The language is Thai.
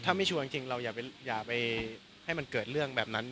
ถ้าไม่ชัวร์จริงเราอย่าไปให้มันเกิดเรื่องแบบนั้น